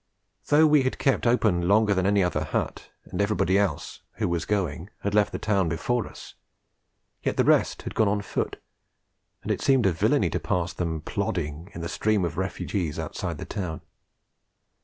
Though we had kept open longer than any other hut, and everybody else (who was going) had left the town before us, yet the rest had gone on foot and it seemed a villainy to pass them plodding in the stream of refugees outside the town.